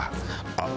あっ。